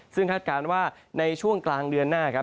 ซึ่งคาดการณ์ว่าในช่วงกลางเดือนหน้าครับ